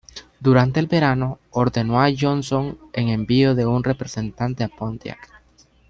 Durante el verano, ordenó a Johnson en envío de un representante a Pontiac.